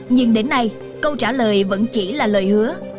nhưng đến nay câu trả lời vẫn chỉ là lời hứa